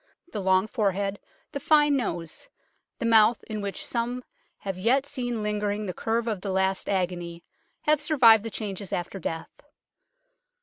The long forehead, the fine nose, the mouth in which some have yet seen lingering the curve of the last agony, have survived the changes after death.